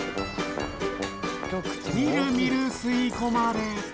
みるみる吸い込まれ。